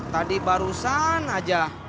tadi barusan aja